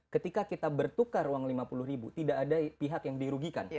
ketika kita bertukar uang lima puluh ribu tidak ada pihak yang dirugikan